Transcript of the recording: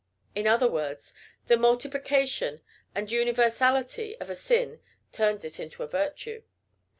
In other words, the multiplication and universality of a sin turns it into a virtue.